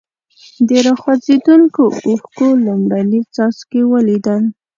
د را خوځېدونکو اوښکو لومړني څاڅکي ولیدل.